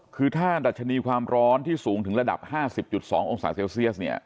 คือถ้าดัชนีความร้อนที่สูงถึงระดับ๕๐๒องศาเซลเซียสเนี่ย